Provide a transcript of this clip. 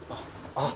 あっ！